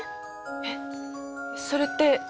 えっそれって何？